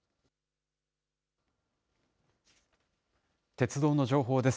鉄道の情報です。